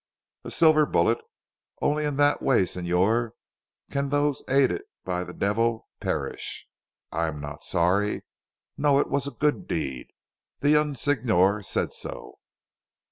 A silver bullet. Only in that way Signor can those aided by the devil perish. I am not sorry. No. It was a good deed. The young Signor said so."